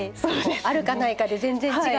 あるかないかで全然違うから。